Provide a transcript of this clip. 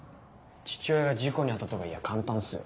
「父親が事故に遭った」とか言や簡単っすよ。